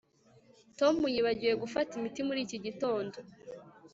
tom yibagiwe gufata imiti muri iki gitondo